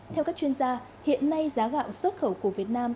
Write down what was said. theo các chuyên gia hiện nay giá gạo xuất khẩu của việt nam